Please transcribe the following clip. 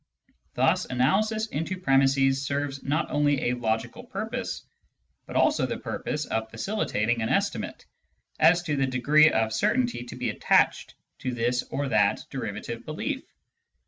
Thus analysis into premisses serves not only a logical purpose, but also the purpose of facilitating an estimate as to the degree of certainty to be attached to this or that derivative belief.